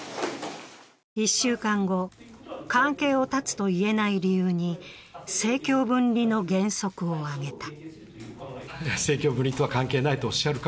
１週間後、関係を断つと言えない理由に政教分離の原則を挙げた。